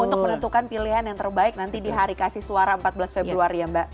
untuk menentukan pilihan yang terbaik nanti di hari kasih suara empat belas februari ya mbak